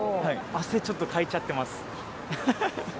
汗、ちょっとかいちゃってます。